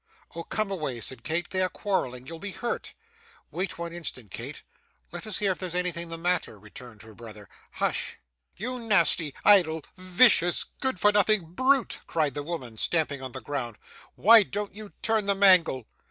'Oh come away!' said Kate, 'they are quarrelling. You'll be hurt.' 'Wait one instant, Kate. Let us hear if there's anything the matter,' returned her brother. 'Hush!' 'You nasty, idle, vicious, good for nothing brute,' cried the woman, stamping on the ground, 'why don't you turn the mangle?